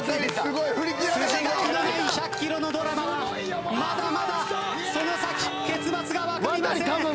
筋書きのない１００ｋｍのドラマはまだまだその先結末が分かりません。